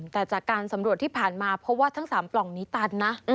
แต่จากการสำรวจที่ผ่านมาเพราะว่าทั้ง๓ปล่องนี้ตันนะ